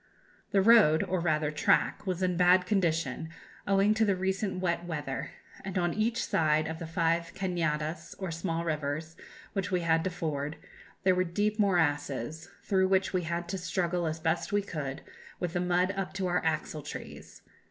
"The road, or rather track, was in a bad condition, owing to the recent wet weather, and on each side of the five cañadas, or small rivers, which we had to ford, there were deep morasses, through which we had to struggle as best we could, with the mud up to our axle trees.